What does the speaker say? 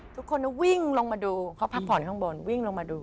ทุกคนวิ่งลงมาดูเขาพักผ่อนข้างบนวิ่งลงมาดู